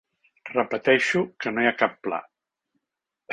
Repeteixo que no hi ha cap pla.